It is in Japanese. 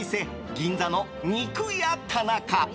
銀座の肉屋田中。